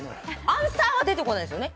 アンサーは出てこないですよね。